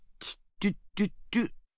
チュッチュッチュッ。